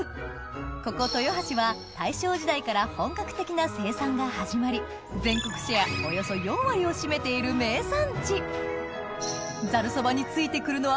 ここ豊橋は大正時代から本格的な生産が始まり全国シェアおよそ４割を占めている名産地ざるそばに付いて来るのは